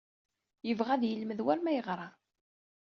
Yebɣa ad yelmed war ma yeɣra.